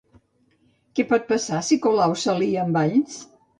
Què pot passar si Colau s'alia amb Valls?